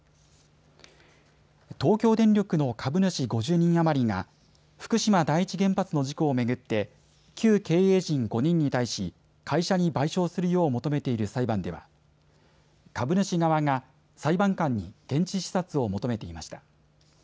東京電力の株主５０人余りが福島第一原発の事故を巡って旧経営陣５人に対し会社に賠償するよう求めている裁判では株主側が裁判官に現地視察を求めていました。